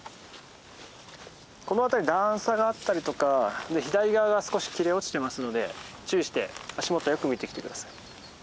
この辺り段差があったりとか左側が少し切れ落ちてますので注意して足元をよく見て来て下さい。